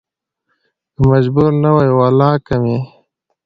که مجبور نه وى ولا کې مې